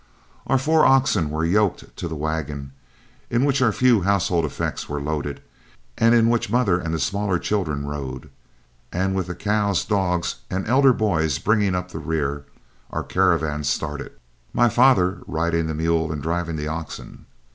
Our four oxen were yoked to the wagon, in which our few household effects were loaded and in which mother and the smaller children rode, and with the cows, dogs, and elder boys bringing up the rear, our caravan started, my father riding the mule and driving the oxen.